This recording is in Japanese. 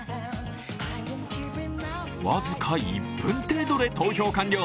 僅か１分程度で投票完了。